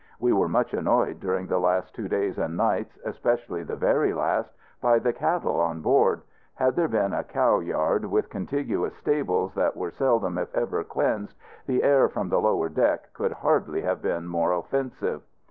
We were much annoyed during the last two days and nights, especially the very last, by the cattle on board. Had there been a cow yard with contiguous stables that were seldom if ever cleansed, the air from the lower deck could hardly have been more offensive.